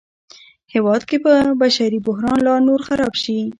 هېواد کې به بشري بحران لا نور خراب شي